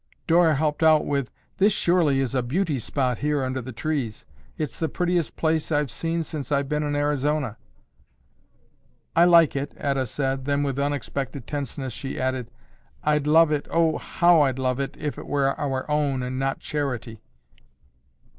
Dora helped out with, "This surely is a beauty spot here under the trees. It's the prettiest place I've seen since I've been in Arizona." "I like it," Etta said, then with unexpected tenseness she added, "I'd love it, oh, how I'd love it, if it were our own and not charity."